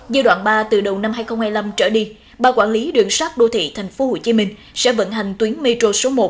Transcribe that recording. giai đoạn ba từ đầu năm hai nghìn hai mươi năm trở đi ba quản lý đường sát đô thị tp hcm sẽ vận hành tuyến metro số một